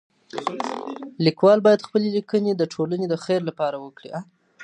ليکوال بايد خپلي ليکنې د ټولني د خير لپاره وکړي.